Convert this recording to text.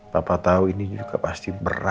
papa tau ini juga pasti berat